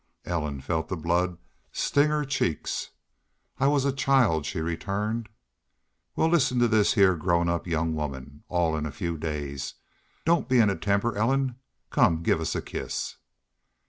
Ellen felt the blood sting her cheeks. "I was a child," she returned. "Wal, listen to this heah grown up young woman. All in a few days! ... Doon't be in a temper, Ellen.... Come, give us a kiss."